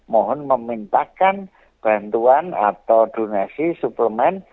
mohon memintakan bantuan atau donasi suplemen